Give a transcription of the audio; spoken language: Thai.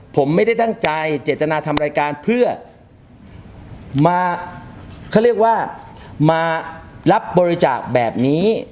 ผมไม่ได้ตั้งใจเจตนาทำรายการเพื่อมาเขาเรียกว่ามารับบริจาคแบบนี้